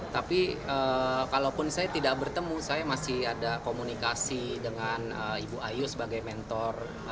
tapi kalaupun saya tidak bertemu saya masih ada komunikasi dengan ibu ayu sebagai mentor